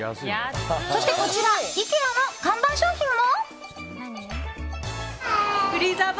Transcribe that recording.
そして、こちらイケアの看板商品も。